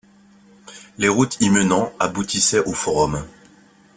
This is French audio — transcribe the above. Les routes y menant aboutissaient au forum.